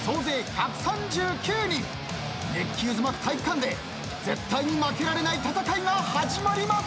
熱気渦巻く体育館で絶対に負けられない戦いが始まります。